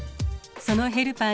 そのヘルパー